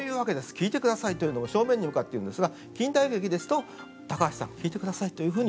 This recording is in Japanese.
聞いてください」というのを正面に向かって言うんですが近代劇ですと「高橋さん聞いてください」というふうに横を向くと。